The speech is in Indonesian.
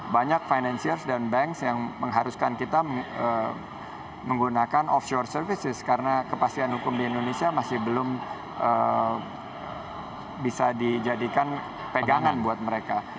banyak financial dan banks yang mengharuskan kita menggunakan offshore services karena kepastian hukum di indonesia masih belum bisa dijadikan pegangan buat mereka